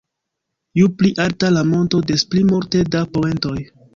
Ju pli alta la monto, des pli multe da poentoj.